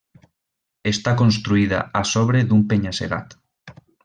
Està construïda a sobre d'un penya-segat.